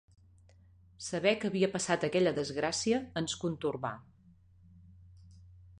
Saber que havia passat aquella desgràcia ens contorbà.